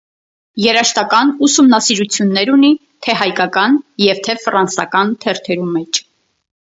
Երաժշտական ուսումնասիրութիւններ ունի թէ՛ հայկական եւ թէ՛ ֆրանսական թերթերու մէջ։